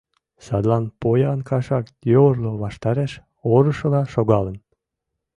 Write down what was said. Садлан поян кашак йорло ваштареш орышыла шогалын.